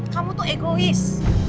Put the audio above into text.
kamu tuh egois